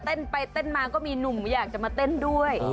เต้นไปเต้นมาก็มีหนุ่มอยากจะมาเต้นด้วย